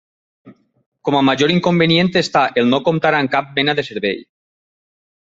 Com a major inconvenient està el no comptar amb cap mena de servei.